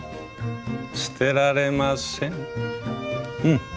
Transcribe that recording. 捨てられません。